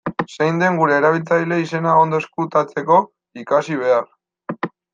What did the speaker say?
Zein den gure erabiltzaile-izena ondo ezkutatzeko, ikasi behar.